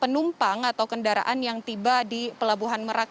penumpang atau kendaraan yang tiba di pelabuhan merak